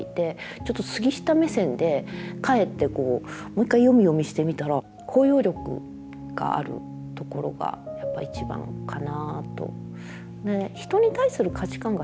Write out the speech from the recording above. ちょっと杉下目線で帰ってもう一回読み読みしてみたらところがやっぱ一番かなと。